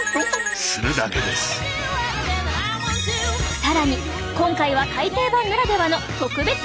更に今回は改訂版ならではの特別付録も！